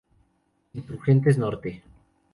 Insurgentes Norte.